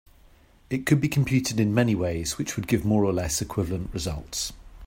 It could be computed in many ways which would give more or less equivalent results.